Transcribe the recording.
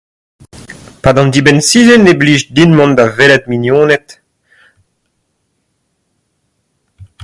'Pad an dibenn-sizhun e blij din mont da welet mignoned.